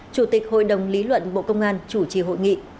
chủ tịch hội đồng lý luận bộ công an chủ trì hội nghị